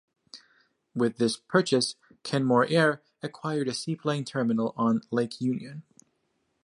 With this purchase, Kenmore Air acquired a seaplane terminal on Lake Union.